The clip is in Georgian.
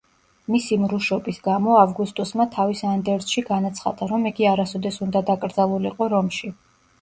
მისი მრუშობის გამო, ავგუსტუსმა თავის ანდერძში განაცხადა, რომ იგი არასოდეს უნდა დაკრძალულიყო რომში.